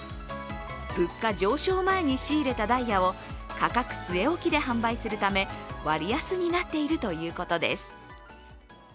物価上昇前に仕入れたダイヤを価格据え置きで販売するため割安になっているということです。